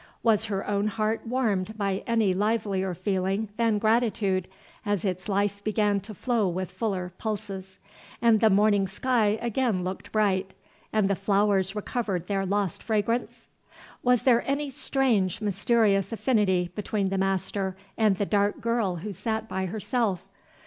Was her own heart warmed by any livelier feeling than gratitude, as its life began to flow with fuller pulses, and the morning sky again looked bright and the flowers recovered their lost fragrance? Was there any strange, mysterious affinity between the master and the dark girl who sat by herself?